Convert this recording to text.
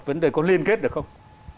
vấn đề có liên kết được không